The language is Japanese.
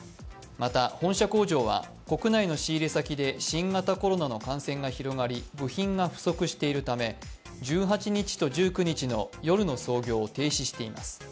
また本社工場は国内の仕入れ先で新型コロナの感染が広がり部品が不足しているため、１８日と１９日の夜の操業を停止しています。